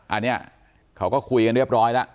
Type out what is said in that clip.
อันนี้เขาก็คุยกันเรียบร้อยแล้ว